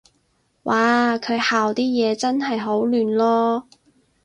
嘩，佢校啲嘢真係好亂囉